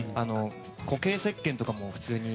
固形せっけんとかも、普通に。